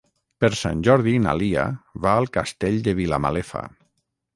Per Sant Jordi na Lia va al Castell de Vilamalefa.